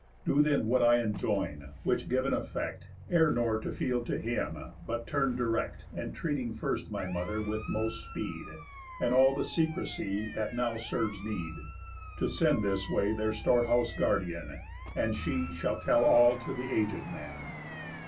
Do then what I enjoin; which giv'n effect, Err nor to field to him, but turn direct, Entreating first my mother, with most speed, And all the secrecy that now serves need, To send this way their store house guardian, And she shall tell all to the aged man."